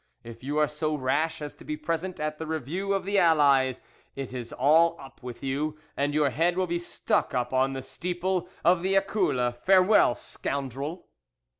If you are so rash as to be present at the review of the Allies it is all up with you, and your head will be stuck on the steeple of the Accoules. Farewell, SCOUNDREL!